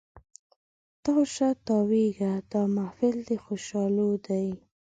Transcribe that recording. تاو شه تاویږه دا محفل د خوشحالو دی